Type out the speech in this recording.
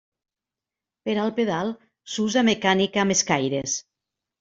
Per al Pedal s'usa mecànica amb escaires.